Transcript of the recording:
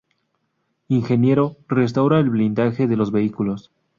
Ingeniero: restaura el blindaje de los vehículos.